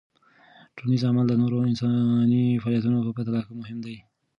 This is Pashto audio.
ټولنیز عمل د نورو انساني فعالیتونو په پرتله مهم دی.